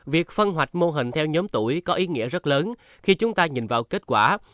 việc phân hoạch mô hình theo nhóm tuổi có ý nghĩa rất lớn khi chúng ta nhìn vào kết quả